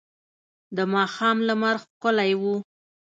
د ماښام لمر ښکلی و.